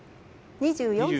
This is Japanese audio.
２４歳。